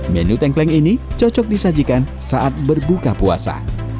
menu tengkleng ini cocok disajikan saat berbuka puasa